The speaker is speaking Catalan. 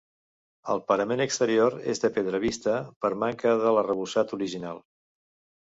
El parament exterior és de pedra vista, per manca de l'arrebossat original.